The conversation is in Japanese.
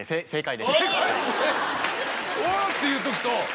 おぉっていう時と。